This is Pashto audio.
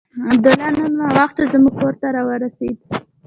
عبدالله نن ناوخته زموږ کور ته راورسېد.